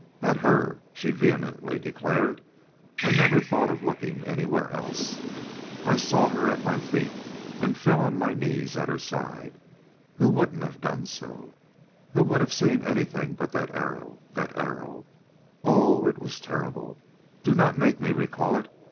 "At her," she vehemently declared. "I never thought of looking anywhere else. I saw her at my feet, and fell on my knees at her side. Who wouldn't have done so! Who would have seen anything but that arrow that arrow! Oh, it was terrible! Do not make me recall it.